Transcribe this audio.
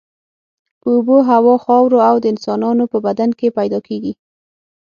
په اوبو، هوا، خاورو او د انسانانو په بدن کې پیدا کیږي.